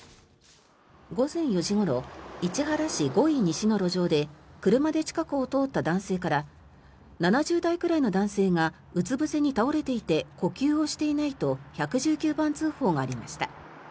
午前４時ごろ市原市五井西の路上で車で近くを通った男性から７０代くらいの男性がうつぶせに倒れていて呼吸をしていないと１１９番通報がありました。